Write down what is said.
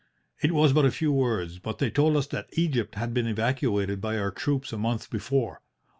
It was but a few words, but they told us that Egypt had been evacuated by our troops a month before.